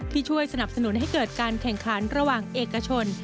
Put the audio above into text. ช่วยสนับสนุนให้เกิดการแข่งขันระหว่างเอกชน